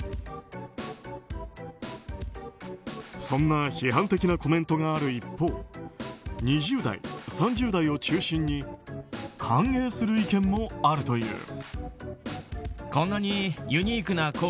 そんな批判的なコメントがある一方２０代、３０代を中心に歓迎する意見もあるという。